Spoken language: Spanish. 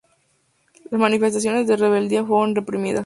Las manifestaciones de rebeldía fueron reprimidas.